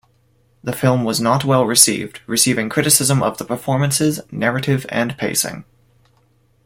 The film was not well received, receiving criticism of the performances, narrative and pacing.